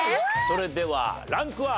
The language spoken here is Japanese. それではランクは？